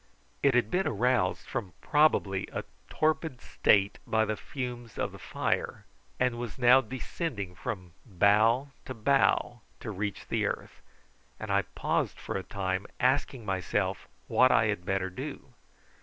It had been aroused from probably a torpid state by the fumes of the fire, and was now descending from bough to bough to reach the earth, and I paused for a time, asking myself what I had better do.